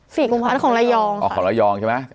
สี่กุมภาพันธุ์อันของไรยองอ๋อของไรยองใช่ไหม